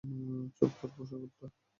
চুপ কর, পোষা কুত্তা।